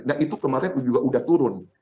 nah itu kemarin juga udah turun